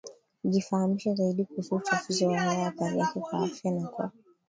jifahamishe zaidi kuhusu uchafuzi wa hewa athari yake kwa afya na kwa